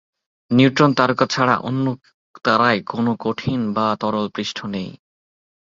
Neutron তারকা ছাড়া অন্য তারায় কোনও কঠিন বা তরল পৃষ্ঠ নেই।